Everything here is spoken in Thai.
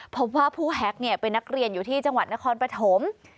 พบว่าผู้แฮ็กเป็นนักเรียนอยู่ที่จังหวัดนครปฐม